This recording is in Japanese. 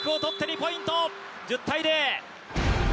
１０対０。